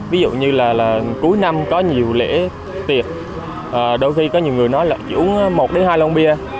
ví dụ như là cuối năm có nhiều lễ tiệc đôi khi có nhiều người nói là chủ một đến hai lông bia